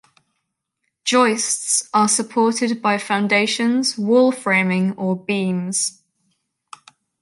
Joists are supported by foundations, wall framing, or beams.